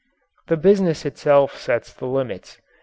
The business itself sets the limits.